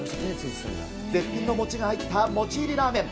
絶品の餅が入った餅入りラーメン。